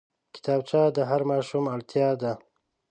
کتابچه د هر ماشوم اړتيا ده